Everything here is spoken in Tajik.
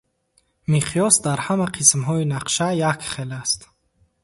Миқёс дар ҳама қисмҳои нақша як хел аст.